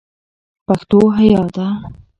پښتو حیا ده